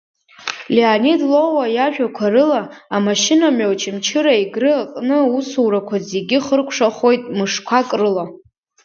Леонид Лолуа иажәақәа рыла амашьынамҩа Очамчыра-Егры аҟны аусурақәа зегьы хыркшәахоит мышқәак рыла.